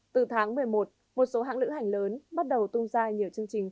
từ tháng một mươi một một số hãng lữ hành lớn bắt đầu tung ra nhiều chương trình